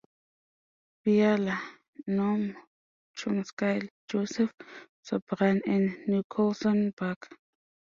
Veale, Noam Chomsky, Joseph Sobran, and Nicholson Baker.